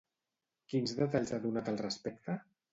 Quins detalls ha donat al respecte?